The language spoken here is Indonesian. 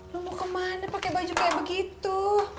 lo mau kemana pakai baju kayak begitu